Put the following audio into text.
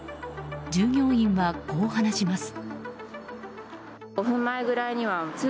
従業員はこう話します。